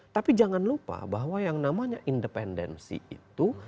tapi jangan lupa bahwa yang namanya independensi itu